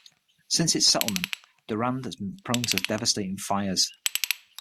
Since its settlement, Durand has been prone to devastating fires.